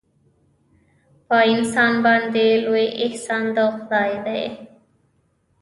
په انسان باندې لوی احسان د خدای دی.